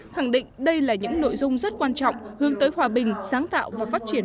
khẳng định đây là những nội dung rất quan trọng hướng tới hòa bình sáng tạo và phát triển